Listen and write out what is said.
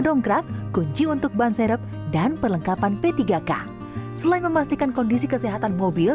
dongkrak kunci untuk ban serep dan perlengkapan p tiga k selain memastikan kondisi kesehatan mobil